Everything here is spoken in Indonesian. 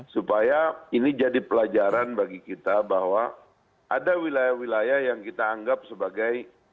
supaya ini jadi pelajaran bagi kita bahwa ada wilayah wilayah yang kita anggap sebagai